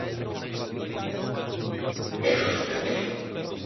Navrhuji položit tuto otázku i Komisi.